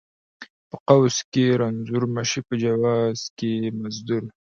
ـ په قوس کې رنځور مشې، په جواز کې مزدور.